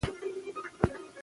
دي